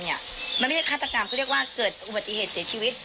มันไม่ใช่ฆาตกรรมเขาเรียกว่าเกิดอุบัติเหตุเสียชีวิต